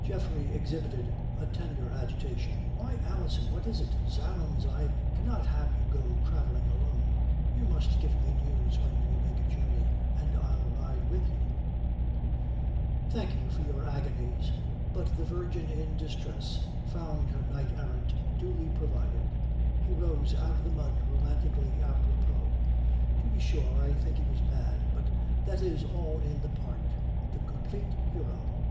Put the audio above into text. Geoffrey exhibited a tender agitation. "Why, Alison, what is it? Zounds, I cannot have you go travelling alone! You must give me news when you make a journey, and I'll ride with you." "Thank you for your agonies. But the virgin in distress found her knight errant duly provided. He rose out of the mud romantically apropos. To be sure, I think he was mad. But that is all in the part. The complete hero.